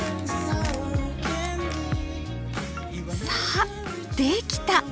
さあできた！